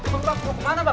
bapak mau kemana